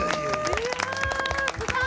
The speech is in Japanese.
いやすごい。